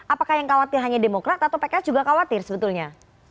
apakah yang khawatir hanya demokrat atau pks juga khawatir sebetulnya